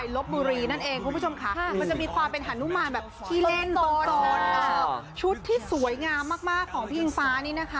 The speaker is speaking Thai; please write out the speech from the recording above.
ลบบุรีนั่นเองคุณผู้ชมค่ะมันจะมีความเป็นฮานุมานแบบขี้เล่นชุดที่สวยงามมากของพี่อิงฟ้านี่นะคะ